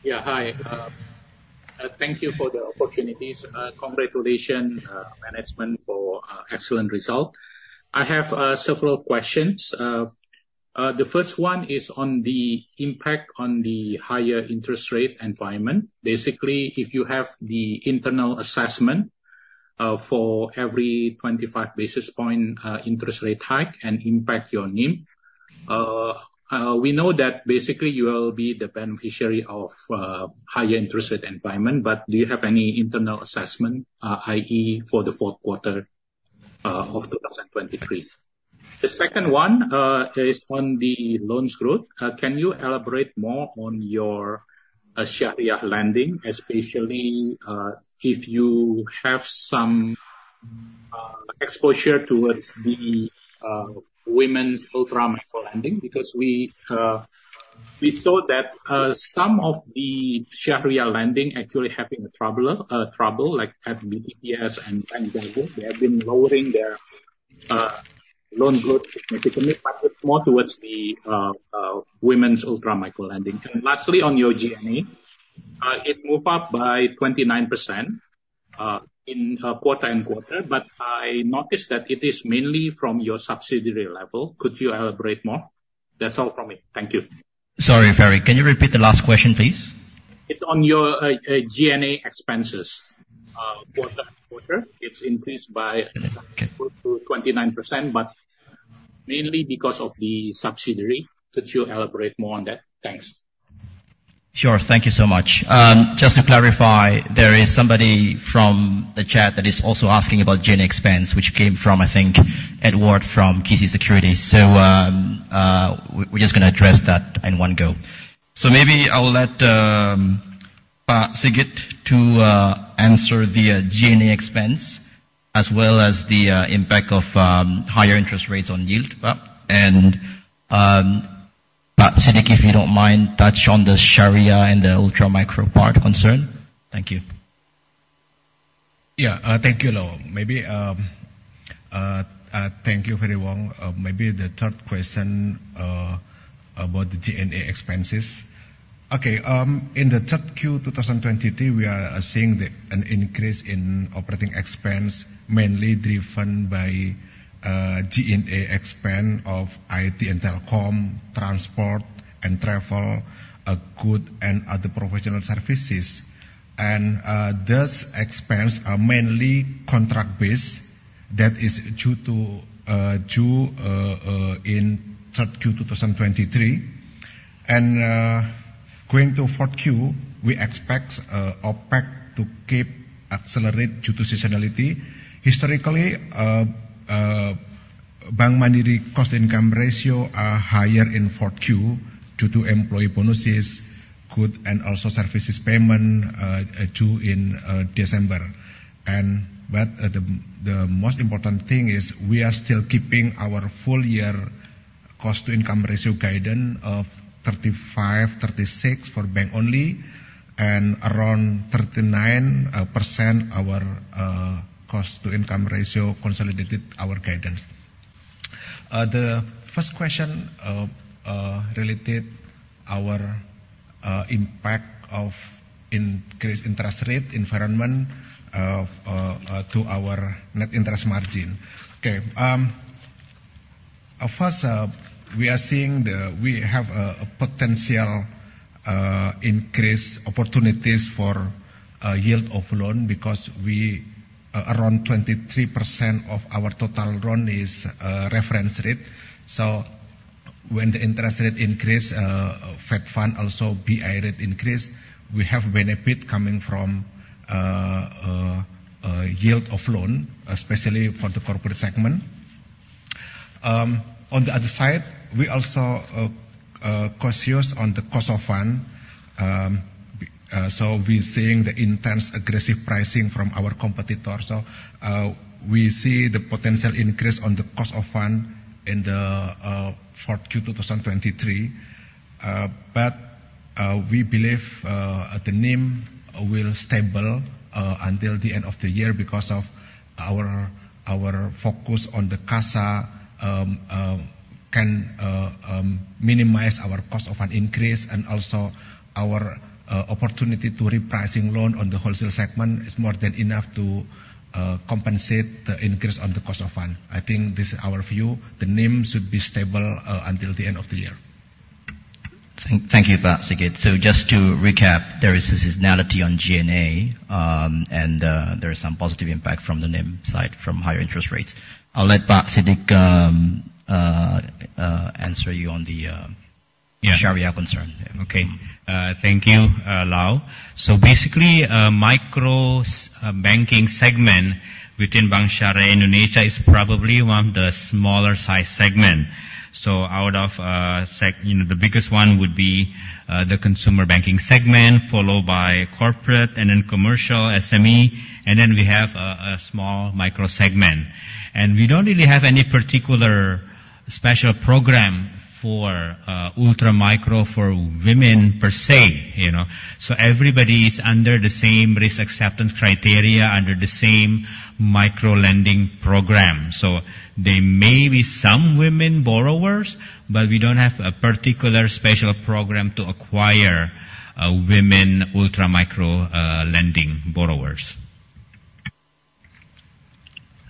Yeah, hi. Thank you for the opportunities. Congratulations, management, for excellent result. I have several questions. The first one is on the impact on the higher interest rate environment. Basically, if you have the internal assessment for every 25 basis point interest rate hike and impact your NIM. We know that basically you will be the beneficiary of higher interest rate environment, but do you have any internal assessment, i.e., for the fourth quarter of 2023? The second one is on the loans growth. Can you elaborate more on your Sharia lending, especially if you have some exposure towards the women's ultra-micro lending? Because we saw that some of the Sharia lending actually having a trouble, like at BTPS and... They have been lowering their loan growth significantly, but it's more towards the women's ultra-micro lending. And lastly, on your GNA, it moved up by 29% in quarter-on-quarter, but I noticed that it is mainly from your subsidiary level. Could you elaborate more? That's all from me. Thank you. Sorry, Ferry. Can you repeat the last question, please? It's on your GNA expenses. Quarter-on-quarter, it's increased by 29%, but mainly because of the subsidiary. Could you elaborate more on that? Thanks. Sure. Thank you so much. Just to clarify, there is somebody from the chat that is also asking about GNA expense, which came from, I think, Edward, from KB Securities. So, we're just gonna address that in one go. So maybe I will let, Pak Sigit to, answer the, GNA expense, as well as the, impact of, higher interest rates on yield, Pak. And, Pak Siddik, if you don't mind, touch on the Sharia and the ultra-micro part concern. Thank you. Yeah. Thank you, Lau. Maybe thank you, Ferry Wong. Maybe the third question about the GNA expenses. Okay, in the third Q 2023, we are seeing the an increase in operating expense, mainly driven by G&A expense of IT and telecom, transport and travel, good and other professional services. And those expense are mainly contract-based. That is due to due in third Q 2023. And going to fourth Q, we expect OpEx to keep accelerate due to seasonality. Historically Bank Mandiri cost-to-income ratio are higher in fourth Q due to employee bonuses, good and also services payment due in December. The most important thing is we are still keeping our full year cost-to-income ratio guidance of 35-36% for bank only, and around 39% cost-to-income ratio consolidated, our guidance. The first question related to our impact of increased interest rate environment to our net interest margin. Okay, we are seeing we have a potential increase opportunities for yield of loan, because around 23% of our total loan is reference rate. So when the interest rate increases, fed fund also BI rate increase, we have benefit coming from yield of loan, especially for the corporate segment. On the other side, we also are cautious on the cost of fund. So we're seeing the intense aggressive pricing from our competitors. So we see the potential increase on the cost of fund in the Q4 2023. But we believe the NIM will stable until the end of the year, because of our focus on the CASA can minimize our cost of an increase, and also our opportunity to repricing loan on the wholesale segment is more than enough to compensate the increase on the cost of fund. I think this is our view. The NIM should be stable until the end of the year. Thank you, Pak Sigit. So just to recap, there is a seasonality on GNA, and there is some positive impact from the NIM side, from higher interest rates. I'll let Pak Siddik answer you on the. Yeah - Sharia concern. Okay. Thank you, Lau. So basically, micro banking segment within Bank Sharia Indonesia is probably one of the smaller size segment. So out of, you know, the biggest one would be, the consumer banking segment, followed by corporate and then commercial, SME, and then we have a, a small micro segment. And we don't really have any particular special program for, ultra micro for women per se, you know. So everybody is under the same risk acceptance criteria, under the same micro-lending program. So there may be some women borrowers, but we don't have a particular special program to acquire, women ultra micro, lending borrowers.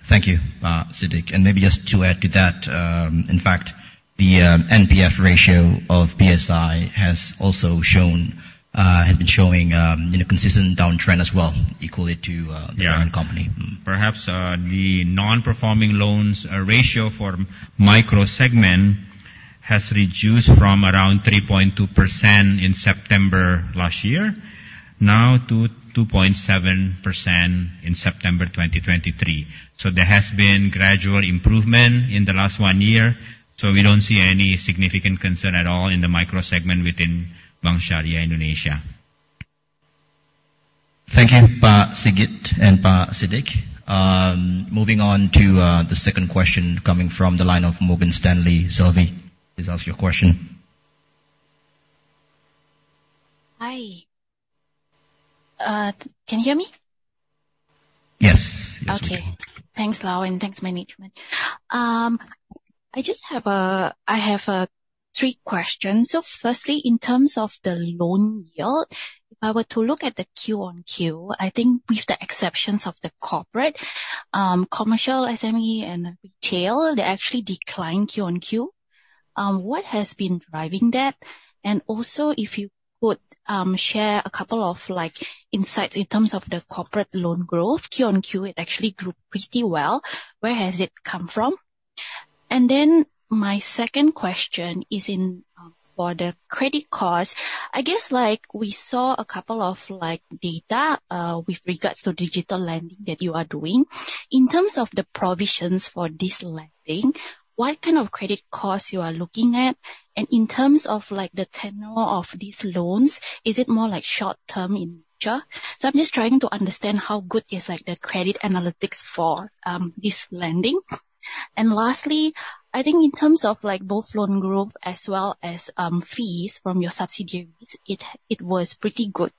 Thank you, Siddik. And maybe just to add to that, in fact, the NPF ratio of BSI has been showing, you know, consistent downtrend as well, equally to the parent company. Yeah. Perhaps the non-performing loans ratio for micro segment has reduced from around 3.2% in September last year, now to 2.7% in September 2023. So there has been gradual improvement in the last one year, so we don't see any significant concern at all in the micro segment within Bank Sharia Indonesia. Thank you, Pak Sigit and Pak Siddik. Moving on to the second question coming from the line of Morgan Stanley. Selvi, please ask your question. Hi. Can you hear me? Yes. Yes. Okay. Thanks, Lau, and thanks, management. I just have three questions. So firstly, in terms of the loan yield, if I were to look at the Q-on-Q, I think with the exceptions of the corporate, commercial, SME, and retail, they actually declined Q-on-Q. What has been driving that? And also, if you could share a couple of, like, insights in terms of the corporate loan growth. Q-on-Q, it actually grew pretty well. Where has it come from? And then my second question is in for the credit cost. I guess, like, we saw a couple of, like, data with regards to digital lending that you are doing. In terms of the provisions for this lending, what kind of credit costs you are looking at? In terms of, like, the tenure of these loans, is it more like short-term in nature? So I'm just trying to understand how good is, like, the credit analytics for this lending. Lastly, I think in terms of, like, both loan growth as well as fees from your subsidiaries, it, it was pretty good.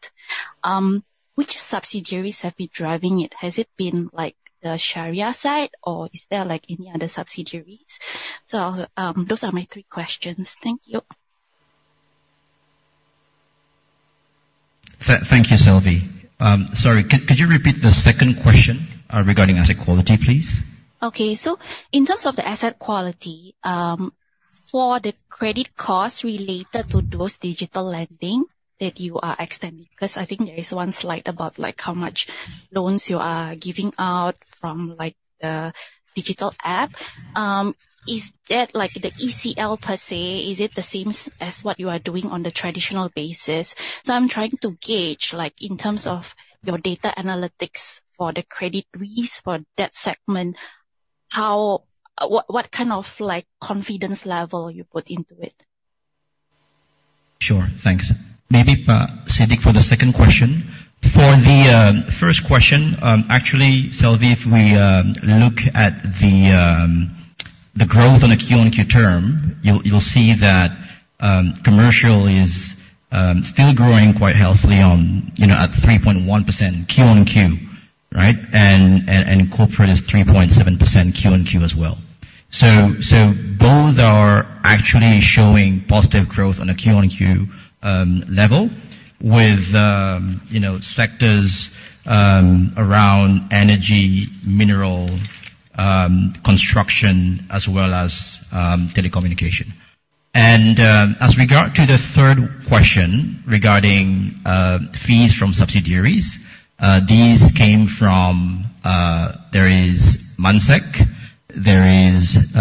Which subsidiaries have been driving it? Has it been, like, the Sharia side, or is there, like, any other subsidiaries? So those are my three questions. Thank you. Thank you, Selvi. Sorry, could you repeat the second question regarding asset quality, please? Okay. So in terms of the asset quality, for the credit costs related to those digital lending that you are extending, 'cause I think there is one slide about, like, how much loans you are giving out from, like, the digital app. Is that, like, the ECL per se, is it the same as what you are doing on the traditional basis? So I'm trying to gauge, like, in terms of your data analytics for the credit risk for that segment, how... what kind of, like, confidence level you put into it? Sure. Thanks. Maybe, Pak Siddik, for the second question. For the first question, actually, Selvi, if we look at the growth on a Q-on-Q term, you'll see that commercial is still growing quite healthily, you know, at 3.1% Q-on-Q, right? And corporate is 3.7% Q-on-Q as well. So both are actually showing positive growth on a Q-on-Q level with, you know, sectors around energy, mineral, construction, as well as telecommunication. And as regard to the third question regarding fees from subsidiaries, these came from there is Mansek, there is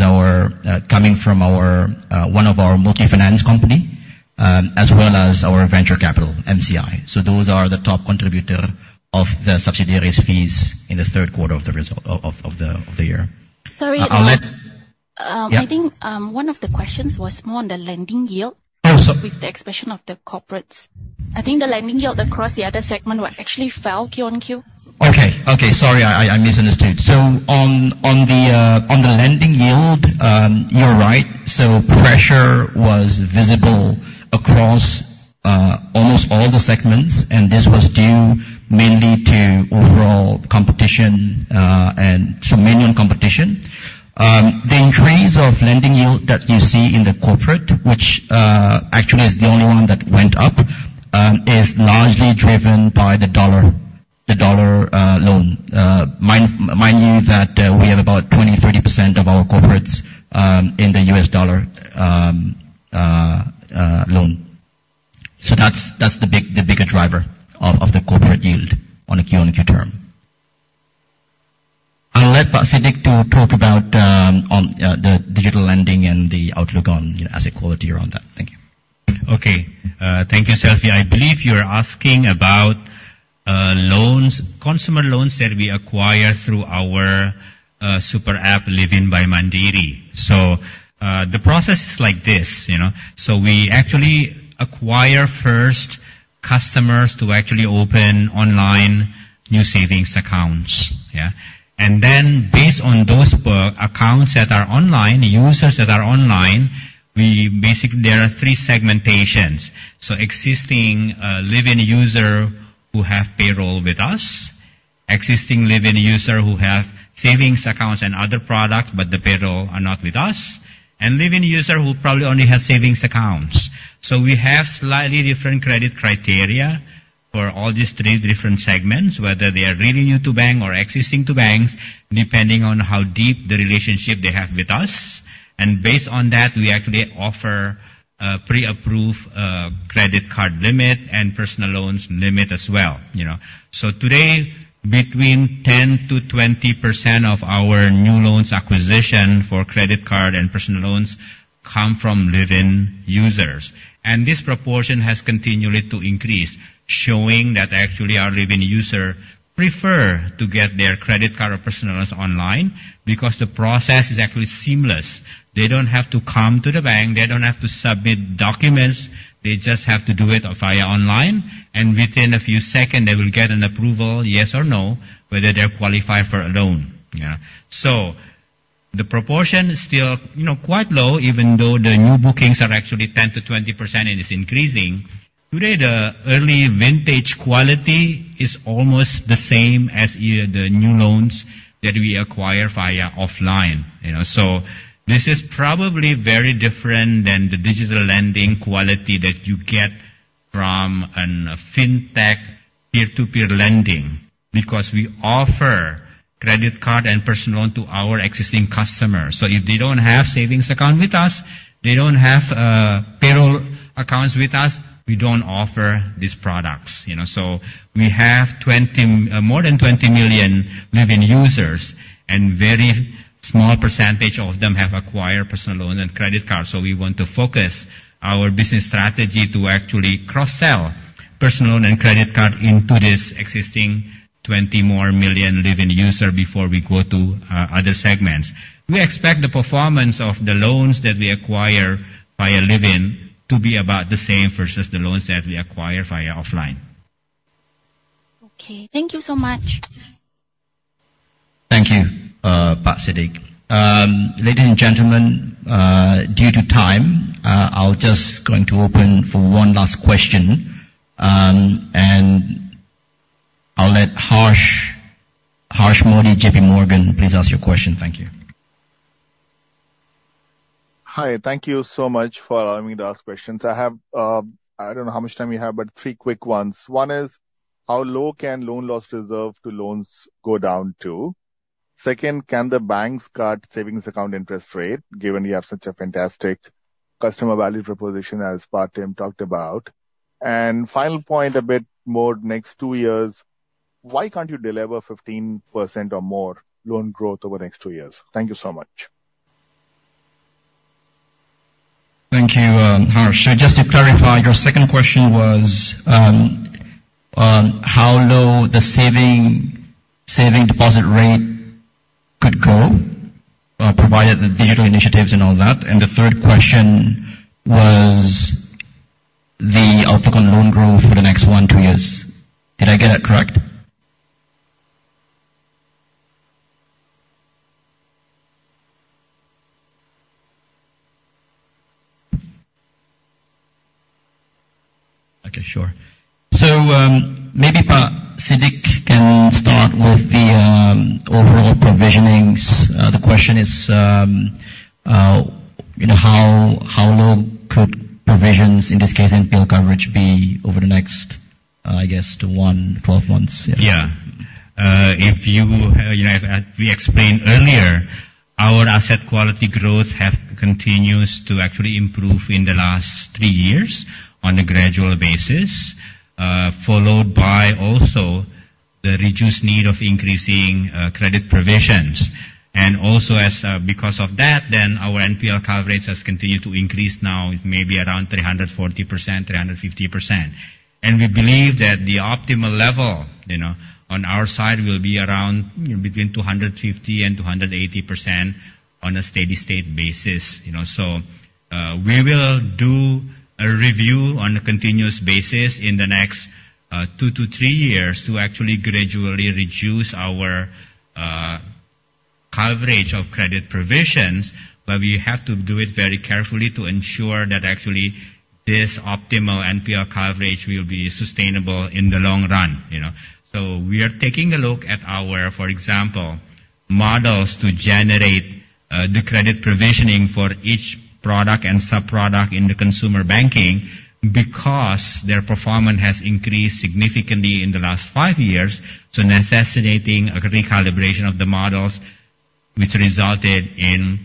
our coming from our one of our multi-finance company, as well as our venture capital, MCI. So those are the top contributor of the subsidiaries' fees in the third quarter of the result of the year. Sorry. I'll let- Um- Yeah. I think, one of the questions was more on the lending yield- Oh, so- - With the expression of the corporates.... I think the lending yield across the other segment were actually fell Q-on-Q. Okay, okay, sorry, I, I misunderstood. So on the lending yield, you're right. So pressure was visible across almost all the segments, and this was due mainly to overall competition and margin competition. The increase of lending yield that you see in the corporate, which actually is the only one that went up, is largely driven by the dollar loan. Mind you that we have about 20%-30% of our corporates in the US dollar loan. So that's the bigger driver of the corporate yield on a quarter-on-quarter term. I'll let Pak Siddik talk about the digital lending and the outlook on asset quality around that. Thank you. Okay, thank you, Selvi. I believe you're asking about, loans, consumer loans that we acquire through our, super app, Livin' by Mandiri. So, the process is like this, you know. So we actually acquire first customers to actually open online new savings accounts, yeah? And then, based on those, accounts that are online, users that are online, there are three segmentations. So existing, Livin user who have payroll with us, existing Livin user who have savings accounts and other products, but the payroll are not with us, and Livin user who probably only have savings accounts. So we have slightly different credit criteria for all these three different segments, whether they are really new to bank or existing to banks, depending on how deep the relationship they have with us. Based on that, we actually offer pre-approve credit card limit and personal loans limit as well, you know. So today, between 10%-20% of our new loans acquisition for credit card and personal loans come from Livin users. And this proportion has continually to increase, showing that actually our Livin user prefer to get their credit card or personal loans online because the process is actually seamless. They don't have to come to the bank. They don't have to submit documents. They just have to do it via online, and within a few second, they will get an approval, yes or no, whether they're qualified for a loan, yeah. So the proportion is still, you know, quite low, even though the new bookings are actually 10%-20%, and it's increasing. Today, the early vintage quality is almost the same as the new loans that we acquire via offline, you know. So this is probably very different than the digital lending quality that you get from a fintech peer-to-peer lending, because we offer credit card and personal loan to our existing customers. So if they don't have savings account with us, they don't have payroll accounts with us, we don't offer these products, you know? So we have more than 20 million Livin' users, and very small percentage of them have acquired personal loan and credit card. So we want to focus our business strategy to actually cross-sell personal loan and credit card into this existing 20 more million Livin' user before we go to other segments. We expect the performance of the loans that we acquire via Livin to be about the same versus the loans that we acquire via offline. Okay, thank you so much. Thank you, Pak Siddik. Ladies and gentlemen, due to time, I'll just going to open for one last question. I'll let Harsh, Harsh Modi, JP Morgan, please ask your question. Thank you. Hi, thank you so much for allowing me to ask questions. I have, I don't know how much time you have, but three quick ones. One is, how low can loan loss reserve to loans go down to? Second, can the banks cut savings account interest rate, given you have such a fantastic customer value proposition, as Pak Tim talked about? And final point, a bit more next two years, why can't you deliver 15% or more loan growth over the next two years? Thank you so much. Thank you, Harsh. Just to clarify, your second question was on how low the saving, saving deposit rate could go, provided the digital initiatives and all that. The third question was the outlook on loan growth for the next 1, 2 years. Did I get that correct? Okay, sure. So, maybe Pak Siddik can start with the overall provisionings. The question is, you know, how low could provisions, in this case, NPL coverage, be over the next, I guess, 1-12 months? Yeah. If you, you know, as we explained earlier, our asset quality growth have continues to actually improve in the last three years on a gradual basis, followed by also the reduced need of increasing, credit provisions. And also, as, because of that, then our NPL coverage has continued to increase. Now it may be around 340%, 350%. And we believe that the optimal level, you know, on our side, will be around between 250% and 280% on a steady state basis, you know. So-... We will do a review on a continuous basis in the next two to three years to actually gradually reduce our coverage of credit provisions, but we have to do it very carefully to ensure that actually this optimal NPL coverage will be sustainable in the long run, you know? So we are taking a look at our, for example, models to generate the credit provisioning for each product and sub-product in the consumer banking, because their performance has increased significantly in the last five years, so necessitating a recalibration of the models, which resulted in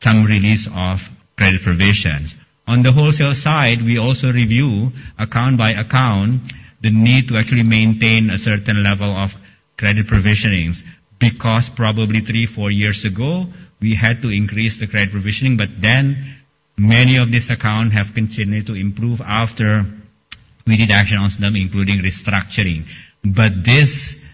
some release of credit provisions. On the wholesale side, we also review account by account, the need to actually maintain a certain level of credit provisionings, because probably 3-4 years ago, we had to increase the credit provisioning, but then many of these accounts have continued to improve after we did action on them, including restructuring. But this,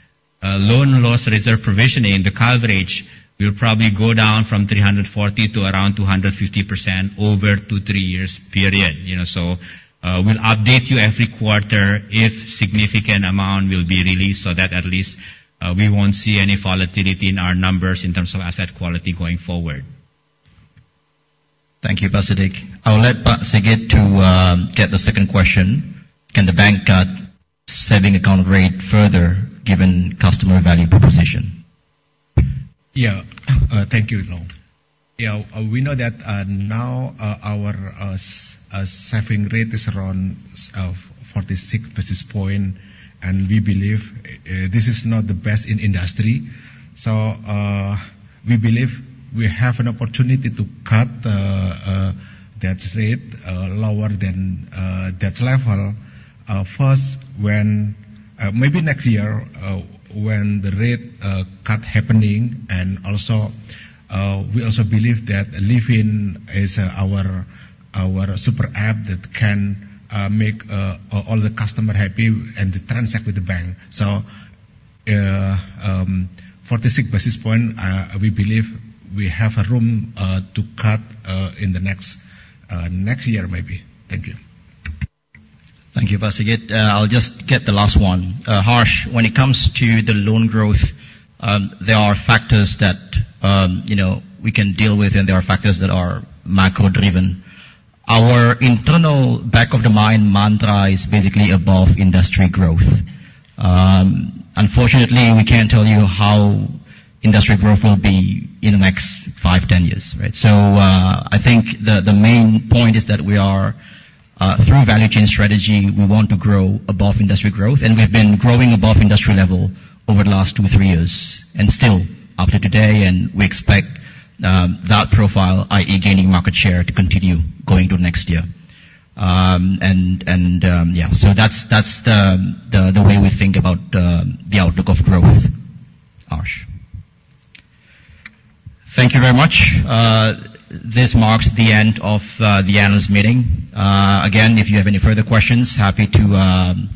loan loss reserve provisioning, the coverage, will probably go down from 340 to around 250% over 2-3 years period, you know. So, we'll update you every quarter if significant amount will be released, so that at least, we won't see any volatility in our numbers in terms of asset quality going forward. Thank you, Pak Sigit. I'll let Pak Sigit get the second question. Can the bank cut savings account rate further, given customer value proposition? Yeah. Thank you, Lau. Yeah, we know that now our saving rate is around 46 basis point, and we believe this is not the best in industry. So, we believe we have an opportunity to cut that rate lower than that level. First, when... Maybe next year, when the rate cut happening. And also, we also believe that Livin is our super app that can make all the customer happy and transact with the bank. So, 46 basis point, we believe we have a room to cut in the next next year, maybe. Thank you. Thank you, Pak Sigit. I'll just get the last one. Harsh, when it comes to the loan growth, there are factors that, you know, we can deal with, and there are factors that are macro-driven. Our internal back-of-the-mind mantra is basically above industry growth. Unfortunately, we can't tell you how industry growth will be in the next five, ten years, right? So, I think the main point is that we are, through value chain strategy, we want to grow above industry growth, and we've been growing above industry level over the last two, three years, and still up to today, and we expect that profile, i.e., gaining market share, to continue going to next year. And, yeah, so that's the way we think about the outlook of growth, Harsh. Thank you very much. This marks the end of the analyst meeting. Again, if you have any further questions, happy to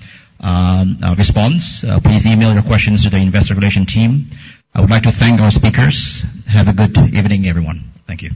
response. Please email your questions to the Investor Relations team. I would like to thank our speakers. Have a good evening, everyone. Thank you.